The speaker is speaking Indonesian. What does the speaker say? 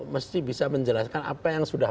mesti bisa menjelaskan apa yang sudah